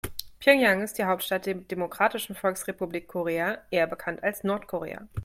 Pjöngjang ist die Hauptstadt der Demokratischen Volksrepublik Korea, eher bekannt als Nordkorea.